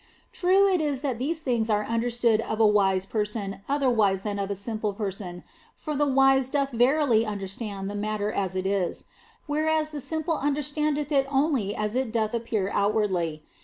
True it is that these things are under stood of a wise person otherwise than of a simple person, for the wise doth verily understand the matter as it is, whereas the simple understandeth it only as it doth appear outwardly.